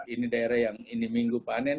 ini daerah yang ini minggu panen